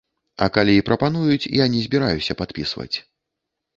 А калі і прапануюць, я не збіраюся падпісваць.